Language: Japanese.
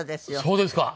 そうですか。